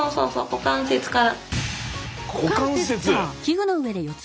股関節か！